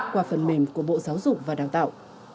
qua phần mềm của bộ giáo dục và đào tạo